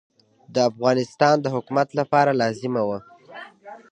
د افغانستان د حکومت لپاره لازمه وه.